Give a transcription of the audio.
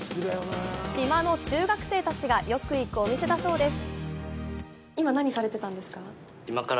島の中学生たちがよく行くお店だそうです。